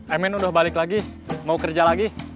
amin udah balik lagi mau kerja lagi